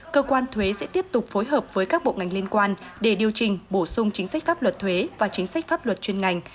cơ quan thuế sẽ tiếp tục phối hợp với các bộ ngành liên quan để điều trình bổ sung chính sách pháp luật thuế và chính sách pháp luật chuyên ngành